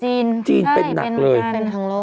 จีนจีนเป็นหนักเลยใช่เป็นเหมือนกัน